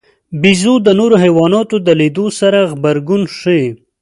بیزو د نورو حیواناتو د لیدلو سره غبرګون ښيي.